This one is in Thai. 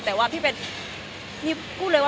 แต่ว่าพี่เป็น